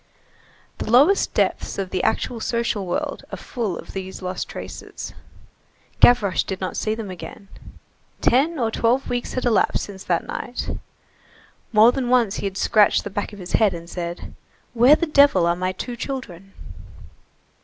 The lowest depths of the actual social world are full of these lost traces. Gavroche did not see them again. Ten or twelve weeks had elapsed since that night. More than once he had scratched the back of his head and said: "Where the devil are my two children?"